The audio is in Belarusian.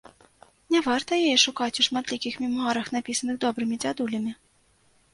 Не варта яе шукаць у шматлікіх мемуарах, напісаных добрымі дзядулямі.